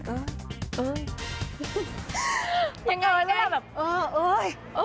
อย่างไรได้